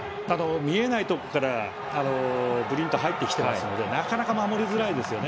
見えないところからブリントが入ってきていますのでなかなか守りづらいですよね。